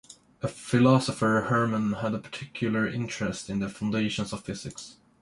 As a philosopher, Hermann had a particular interest in the foundations of physics.